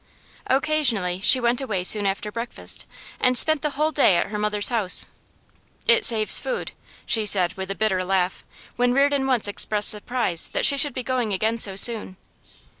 Occasionally she went away soon after breakfast, and spent the whole day at her mother's house. 'It saves food,' she said with a bitter laugh, when Reardon once expressed surprise that she should be going again so soon.